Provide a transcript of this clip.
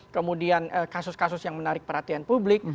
kemudian kasus kasus yang menarik perhatian publik